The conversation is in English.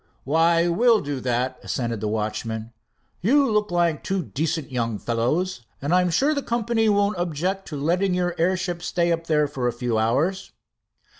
"Why, we'll do that," assented the watchman. "You look like two decent young fellows, and I'm sure the company won't object to letting your airship stay up there for a few hours."